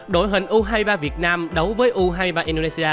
đội hình u hai mươi ba việt nam đấu với u hai mươi ba indonesia